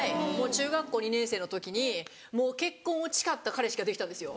中学校２年生の時に結婚を誓った彼氏ができたんですよ。